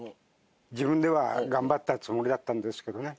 自分では頑張ったつもりだったんですけどね